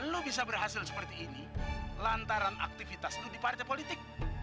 lu bisa berhasil seperti ini lantaran aktivitas lo di partai politik